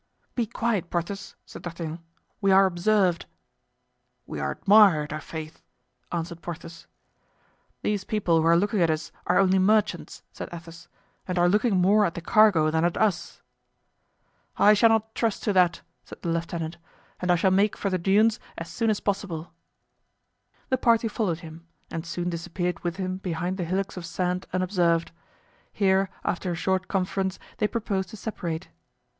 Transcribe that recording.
"Be quiet, Porthos," said D'Artagnan, "we are observed." "We are admired, i'faith," answered Porthos. "These people who are looking at us are only merchants," said Athos, "and are looking more at the cargo than at us." "I shall not trust to that," said the lieutenant, "and I shall make for the Dunes* as soon as possible." * Sandy hills about Dunkirk, from which it derives its name. The party followed him and soon disappeared with him behind the hillocks of sand unobserved. Here, after a short conference, they proposed to separate.